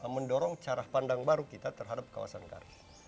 mendorong cara pandang baru kita terhadap kawasan kami